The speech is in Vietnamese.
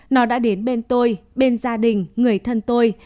nó đã đến bên tôi bên gia đình người thân tôi